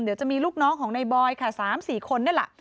เดี๋ยวจะมีลูกน้องของนายบอยสามสี่คนนั่นแหละ